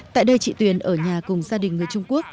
tại đây chị tuyền ở nhà cùng gia đình người trung quốc